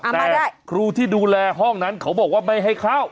แต่ครูที่ดูแลห้องนั้นเขาบอกว่าไม่ให้เข้า